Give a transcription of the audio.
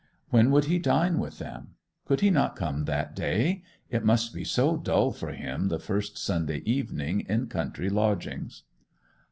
When would he dine with them? Could he not come that day—it must be so dull for him the first Sunday evening in country lodgings?